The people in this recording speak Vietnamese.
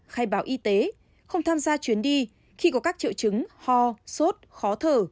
khai báo y tế không tham gia chuyến đi khi có các triệu chứng ho sốt khó thở